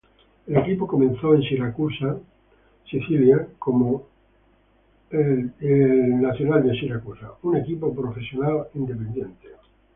El equipo comenzó en Siracusa, Nueva York, como Syracuse Nationals, un equipo profesional independiente.